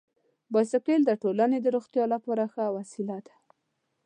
بایسکل د ټولنې د روغتیا لپاره ښه وسیله ده.